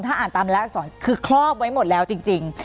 ถ้าอ่านตามแรกอักษรคือครอบไว้หมดแล้วจริง